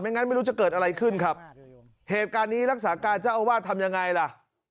งั้นไม่รู้จะเกิดอะไรขึ้นครับเหตุการณ์นี้รักษาการเจ้าอาวาสทำยังไงล่ะ